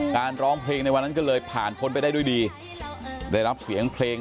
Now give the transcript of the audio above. ร้องเพลงในวันนั้นก็เลยผ่านพ้นไปได้ด้วยดีได้รับเสียงเพลง